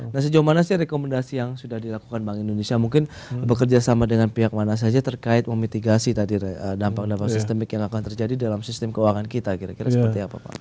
nah sejauh mana sih rekomendasi yang sudah dilakukan bank indonesia mungkin bekerja sama dengan pihak mana saja terkait memitigasi tadi dampak dampak sistemik yang akan terjadi dalam sistem keuangan kita kira kira seperti apa pak